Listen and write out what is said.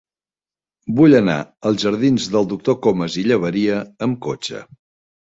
Vull anar als jardins del Doctor Comas i Llaberia amb cotxe.